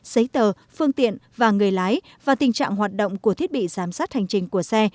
giấy tờ phương tiện và người lái và tình trạng hoạt động của thiết bị giám sát hành trình của xe